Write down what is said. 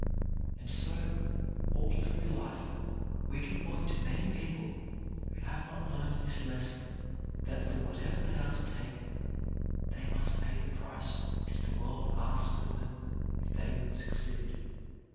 And so, all through life, we can point to many people who have not learned this lesson — that for what ever they undertake they must pay the price which the world asks of them if they would suc ceed.